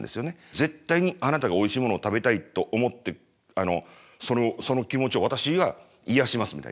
絶対にあなたがおいしいものを食べたいと思ってその気持ちを私が癒やしますみたいな。